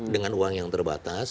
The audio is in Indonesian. dengan uang yang terbatas